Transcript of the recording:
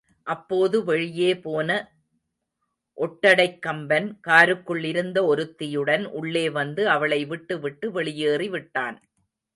அப்போது வெளியே போன ஒட்டடைக் கம்பன், காருக்குள் இருந்த ஒருத்தியுடன் உள்ளே வந்து அவளை விட்டுவிட்டு, வெளியேறிவிட்டான்.